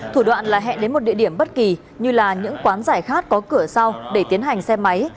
thủ đoạn là hẹn đến một địa điểm bất kỳ như là những quán giải khát có cửa sau để tiến hành xe máy